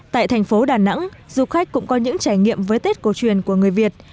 tại thành phố đà nẵng du khách cũng có những trải nghiệm với tết cổ truyền của người việt